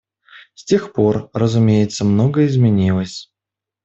С тех пор, разумеется, многое изменилось.